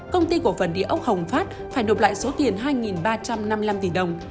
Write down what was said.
công ty cổ phần địa ốc hồng phát phải nộp lại số tiền hai ba trăm năm mươi năm tỷ đồng